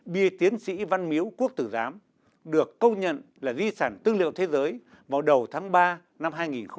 bia tiến sĩ văn miếu quốc tử giám được công nhận là di sản tư liệu thế giới vào đầu tháng ba năm hai nghìn một mươi